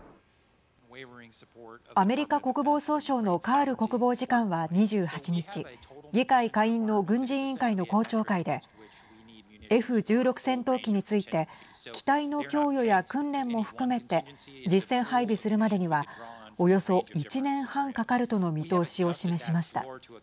アメリカ国防総省のカール国防次官は２８日議会下院の軍事委員会の公聴会でＦ１６戦闘機について機体の供与や訓練も含めて実戦配備するまでには、およそ１年半かかるとの見通しを示しました。